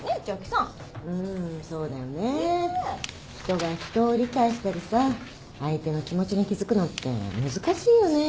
人が人を理解したりさ相手の気持ちに気付くのって難しいよね。